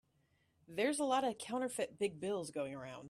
There's a lot of counterfeit big bills going around.